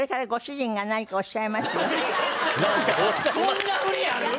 こんな振りある？